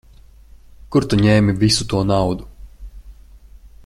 Kur tu ņēmi visu to naudu?